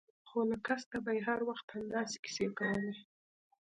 خو له کسته به يې هر وخت همداسې کيسې کولې.